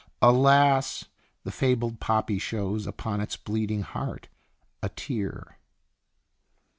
Alas ! the fabled poppy shows Upon its bleeding heart a tear